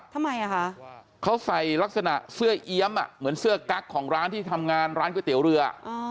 ทำไมอ่ะคะเขาใส่ลักษณะเสื้อเอี๊ยมเหมือนเสื้อกั๊กของร้านที่ทำงานร้านก๋วยเตี๋ยวเรือ